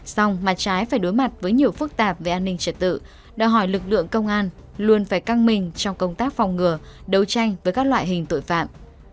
xong mặt trái phải đối mặt với nhiều phức tạp về an ninh trật tự đòi hỏi lực lượng công an luôn phải căng mình trong công tác phòng ngừa đấu tranh với các loại hình tội phạm